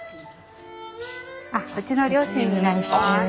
うちの両親になります。